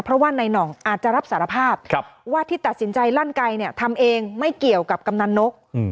เพราะว่าในหน่องอาจจะรับสารภาพว่าที่ตัดสินใจลั่นไกเนี่ยทำเองไม่เกี่ยวกับกำนันนก